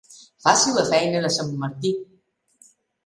Faci la feina de sant Martí.